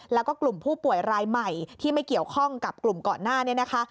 แล้วก็กลุ่มผู้ป่วยรายใหม่ที่ไม่เกี่ยวข้องกับกลุ่มก่อนหน้านี้นะคะ